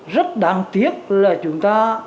rất đáng tiếc là chúng ta